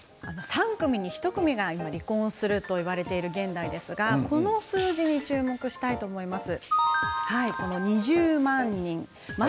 話題が変わりまして３組に１組が今、離婚するといわれている現代ですがこの数字に注目したいと思います。